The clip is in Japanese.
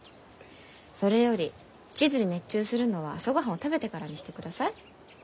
それより地図に熱中するのは朝ごはんを食べてからにしてください。